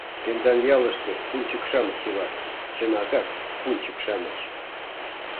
Тендан ялыште пунчык-шамыч илат, чынакак, пунчык-шамыч!